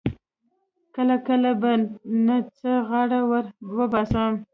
کله کله یې په نه څه غاړه ور وباسم.